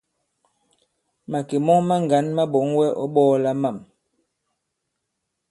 Màkè mɔŋ maŋgǎn ma ɓɔ̌ŋ wɛ ɔ̌ ɓɔ̄ɔla mâm.